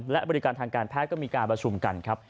และบริการทางการแพทย์ก็มีการประชุมกันครับ